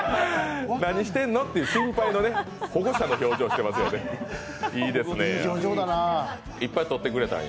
何してんの？っていう心配のね、保護者の表情してますわ。